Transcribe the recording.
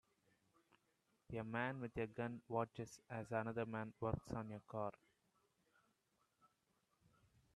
A man with a gun watches as another man works on a car.